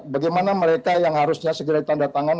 bagaimana mereka yang harusnya segera ditandatangan